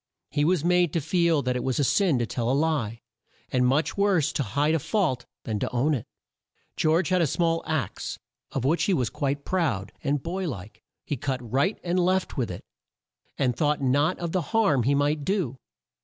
He was made to feel that it was a sin to tell a lie, and much worse to hide a fault than to own it. George had a small axe of which he was quite proud, and boy like, he cut right and left with it, and thought not of the harm he might do.